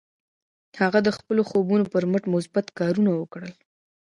هغه د خپلو خوبونو پر مټ مثبت کارونه وکړل